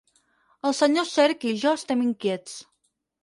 El senyor Cerc i jo estem inquiets.